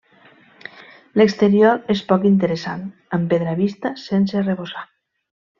L'exterior és poc interessant, amb pedra vista sense arrebossar.